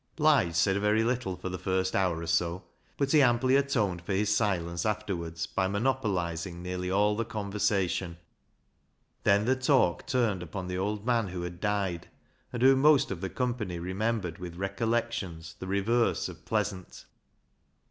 Lige said very little for the first hour or so, but he amply atoned for his silence afterwards by monopolising nearly all the conversation. Then the talk turned upon the old man who had died, and whom most of the company remembered with recollections the reverse of pleasant.